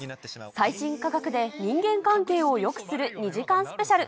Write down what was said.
最新科学で人間関係をよくする２時間スペシャル。